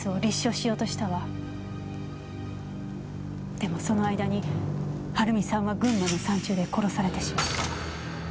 でもその間にはるみさんは群馬の山中で殺されてしまった。